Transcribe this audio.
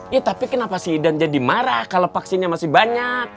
ya tapi kenapa siden jadi marah kalau vaksinnya masih banyak